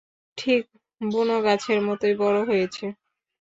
ঠিক বুনো গাছের মতোই বড়ো হয়েছে।